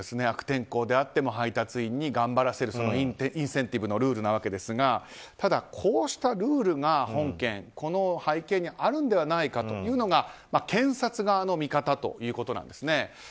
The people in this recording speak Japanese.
悪天候であっても配達員に頑張らせるそのインセンティブのルールなわけですがただ、こうしたルールが本件、この背景にあるのではないかというのが検察側の見方ということなんです。